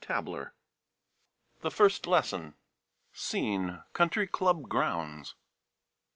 ioo THE FIRST LESSON Scene — Country club grounds.